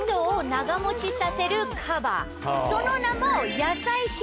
その名も。